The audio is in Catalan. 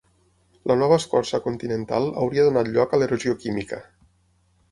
La nova escorça continental hauria donat lloc a l'erosió química.